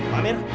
pak mir bawa dia